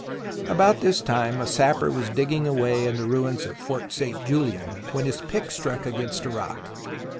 About this time a sapper was digging away in the ruins of Fort St. Julian when his pick struck against a rock.